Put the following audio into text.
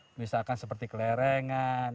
misalkan seperti kelerengan